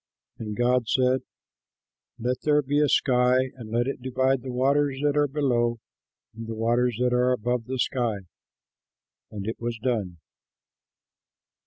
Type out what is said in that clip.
And God said, "Let there be a sky and let it divide the waters that are below from the waters that are above the sky." And it was done.